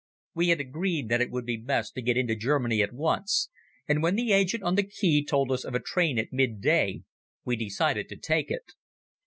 We had agreed that it would be best to get into Germany at once, and when the agent on the quay told us of a train at midday we decided to take it.